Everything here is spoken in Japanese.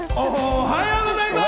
おはようございます！